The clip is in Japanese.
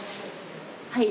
はい。